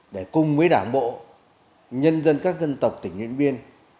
để cùng với đảng bộ nhân dân các dân tộc tỉnh nhân viên